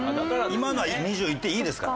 今のは２０いっていいですから。